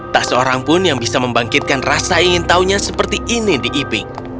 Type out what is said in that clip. tak seorang pun yang bisa membangkitkan rasa ingin tahunya seperti ini di iping